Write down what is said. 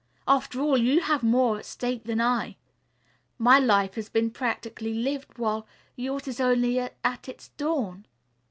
After all, you have more at stake than I. My life has been practically lived, while yours is only at its dawn.